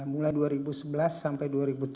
mulai dua ribu sebelas sampai dua ribu tujuh belas